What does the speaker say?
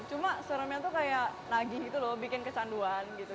cuma seremnya tuh kayak nagih gitu loh bikin kecanduan gitu